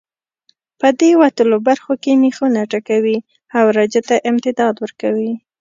په دې وتلو برخو کې مېخونه ټکوهي او رجه ته امتداد ورکوي.